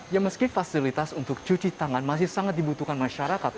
ya meski fasilitas untuk cuci tangan masih sangat dibutuhkan masyarakat